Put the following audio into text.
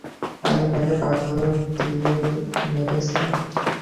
আমি তাকে পাথর দিয়ে মেরেছিলাম।